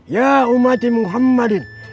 ya umati muhammadin